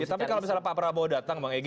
tapi kalau misalnya pak prabowo datang